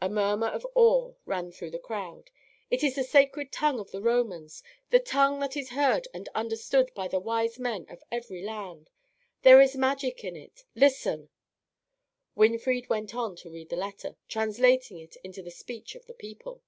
A murmur of awe ran through the crowd. "It is the sacred tongue of the Romans; the tongue that is heard and understood by the wise men of every land. There is magic in it. Listen!" Winfried went on to read the letter, translating it into the speech of the people.